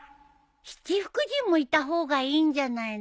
七福神もいた方がいいんじゃないの？